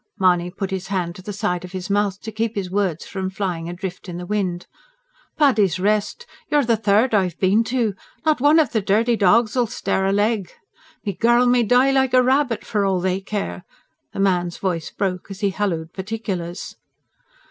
Mahony put his hand to the side of his mouth, to keep his words from flying adrift in the wind. "Paddy's Rest. You're the third I've bin to. Not one of the dirty dogs'ull stir a leg! Me girl may die like a rabbit for all they care." The man's voice broke, as he halloed particulars.